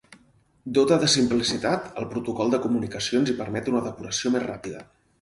Dota de simplicitat al protocol de comunicacions i permet una depuració més ràpida.